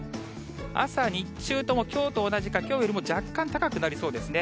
朝、日中ともきょうと同じか、きょうよりも若干高くなりそうですね。